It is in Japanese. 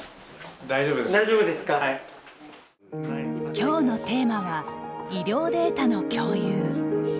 きょうのテーマは医療データの共有。